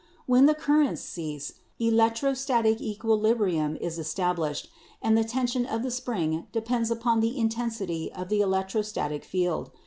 ■'When the currents cease, electrostatic equilibrium is established; and the tension of the spring depends upon the intensity of the electrostatic field.